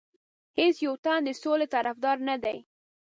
هیڅ یو تن د سولې طرفدار نه دی.